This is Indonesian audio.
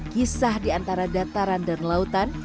kisah di antara dataran dan lautan